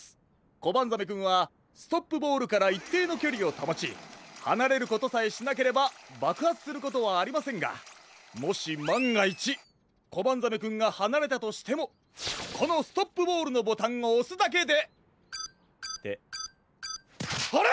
コバンザメくんはストップボールからいっていのきょりをたもちはなれることさえしなければばくはつすることはありませんがもしまんがいちコバンザメくんがはなれたとしてもこのストップボールのボタンをおすだけでってあれ？